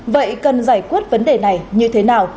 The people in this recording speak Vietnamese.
vậy cần giải quyết vấn đề này như thế nào